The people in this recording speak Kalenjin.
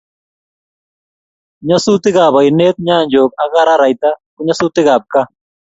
Nyasutikab oinet nyanjok ak araraita ko nyasutikab kaa